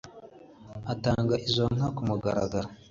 Atanga izo nka k’umugaragaro